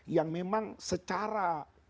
yang memang secara